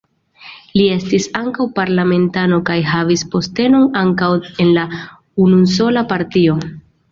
Li estis ankaŭ parlamentano kaj havis postenon ankaŭ en la unusola partio.